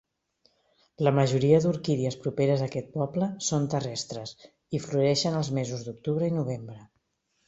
La majoria d'orquídies properes a aquest poble són terrestres i floreixen els mesos d'octubre i novembre.